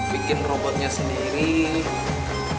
bikin robotnya sendiri